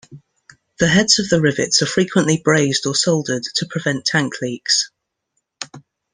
The heads of the rivets are frequently brazed or soldered to prevent tank leaks.